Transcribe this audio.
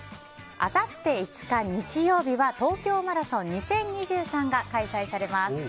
あさって５日、日曜日は東京マラソン２０２３が開催されます。